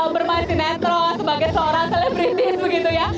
bermaisi metro sebagai seorang selebritis begitu ya